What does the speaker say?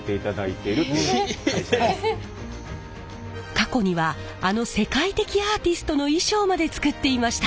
過去にはあの世界的アーティストの衣装まで作っていました！